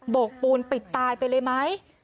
โกกปูนปิดตายไปเลยไหม